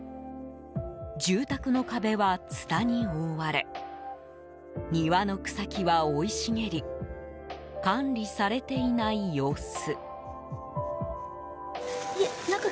住宅の壁はツタに覆われ庭の草木は生い茂り管理されていない様子。